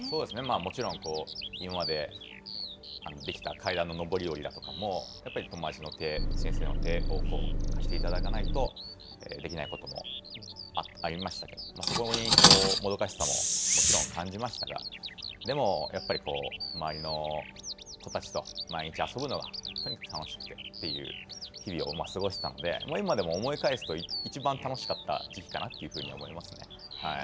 もちろん今までできた階段の上り下りだとかも、やっぱり友達の手、先生の手を貸していただかないとできないこともありましたけど、そこにもどかしさも、もちろん感じましたが、でもやっぱりこう、周りの子たちと、毎日遊ぶのが、とにかく楽しくてっていう日々を過ごしたので、今でも思い返すと一番楽しかった時期かなっていうふうに思いますね。